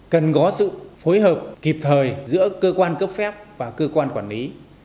cần có sự phối hợp kịp thời giữa cơ quan cấp phép và cơ quan quản lý